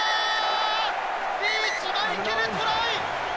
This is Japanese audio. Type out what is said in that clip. リーチマイケル、トライ！